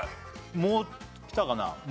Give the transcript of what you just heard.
もうきたかな？